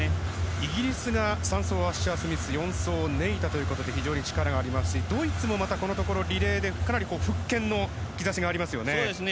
イギリスが３走アッシャー・スミス４走ネイタと非常に力がありますしドイツも、このところリレーでかなり復権の兆しがありますよね。